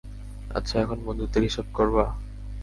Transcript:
আচ্ছা এখন বন্ধুত্বের হিসাব করবা?